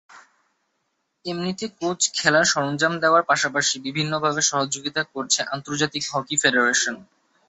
এমনিতে কোচ-খেলার সরঞ্জাম দেওয়ার পাশাপাশি বিভিন্নভাবে সহযোগিতা করছে আন্তর্জাতিক হকি ফেডারেশন।